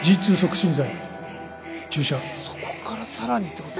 そこから更にってこと。